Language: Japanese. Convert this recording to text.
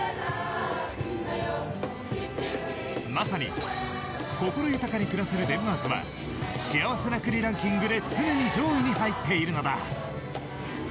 まさに心豊かに暮らせるデンマークは幸せな国ランキングで常に上位に入っているのだ。